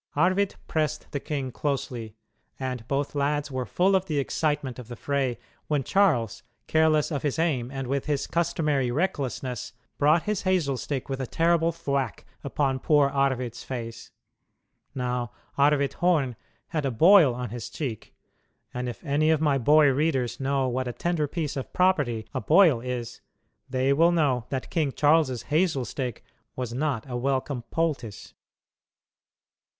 Arvid pressed the king closely, and both lads were full of the excitement of the fray when Charles, careless of his aim and with his customary recklessness, brought his hazel stick with a terrible thwack upon poor Arvid's face. Now Arvid Horn had a boil on his cheek, and if any of my boy readers know what a tender piece of property a boil is, they will know that King Charles's hazel stick was not a welcome poultice.